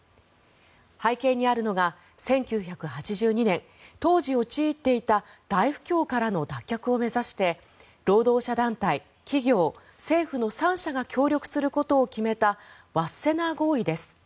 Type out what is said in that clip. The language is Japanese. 背景にあるのが１９８２年当時陥っていた大不況からの脱却を目指して労働者団体、政府、企業の３者が協力することを決めたワッセナー合意です。